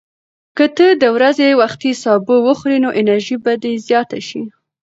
که ته د ورځې وختي سبو وخورې، نو انرژي به دې زیاته شي.